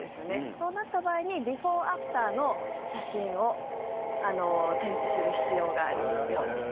そうなった場合にビフォーアフターの写真を添付する必要があるようですね。